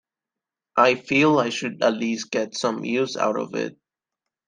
I feel I should at least get some use out of it.